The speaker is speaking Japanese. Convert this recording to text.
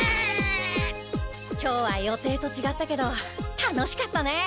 今日は予定とちがったけど楽しかったね。